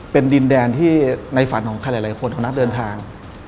เป็นดินแดนที่ในฝันของใครหลายคนของนักเดินทาง